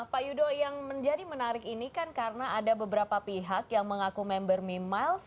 pak yudo yang menjadi menarik ini kan karena ada beberapa pihak yang mengaku member memiles